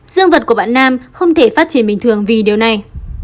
dương vật của bạn nam không thể phát triển bình thường vì điều này